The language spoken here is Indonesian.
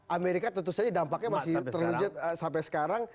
amerika tentu saja dampaknya masih terwujud sampai sekarang